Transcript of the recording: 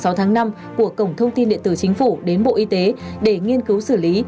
ngày sáu tháng năm của cổng thông tin điện tử chính phủ đến bộ y tế để nghiên cứu xử lý